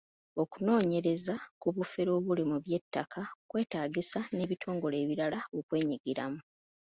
Okunoonyereza ku bufere obuli mu by’ettaka kwetaagisa n'ebitongole ebirala okwenyigiramu.